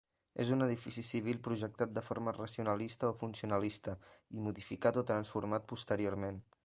És un edifici civil projectat de forma racionalista o funcionalista, i modificat o transformat posteriorment.